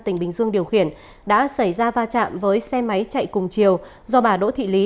tỉnh bình dương điều khiển đã xảy ra va chạm với xe máy chạy cùng chiều do bà đỗ thị lý